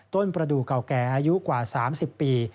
ประดูกเก่าแก่อายุกว่า๓๐ปี